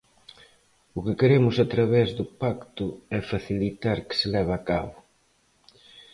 O que queremos a través do Pacto é facilitar que se leve a cabo.